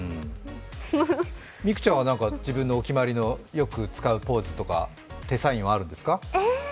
美空ちゃんは自分のお決まりのよく使うポーズとか手サインはあるんですか？